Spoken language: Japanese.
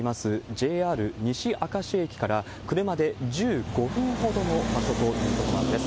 ＪＲ西明石駅から車で１５分ほどの場所ということなんです。